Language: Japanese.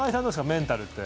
メンタルって。